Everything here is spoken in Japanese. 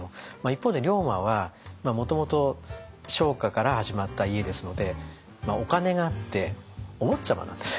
一方で龍馬はもともと商家から始まった家ですのでお金があってお坊ちゃまなんですよね。